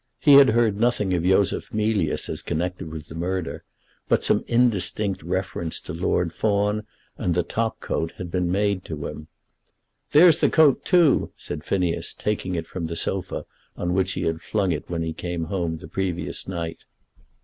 He had heard nothing of Yosef Mealyus as connected with the murder, but some indistinct reference to Lord Fawn and the top coat had been made to him. "There is the coat, too," said Phineas, taking it from the sofa on which he had flung it when he came home the previous night.